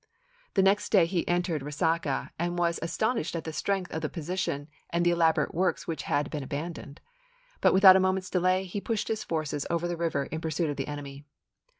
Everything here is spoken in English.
The next day he entered Resaca and was astonished at the strength of the position and the elaborate works which had been abandoned. But, without a moment's delay, he pushed his forces over the river in pursuit of the enemy.